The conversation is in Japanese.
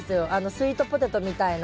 スイートポテトみたいな。